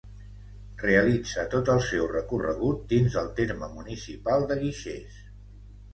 Realitza tot el seu recorregut dins del terme municipal de Guixers.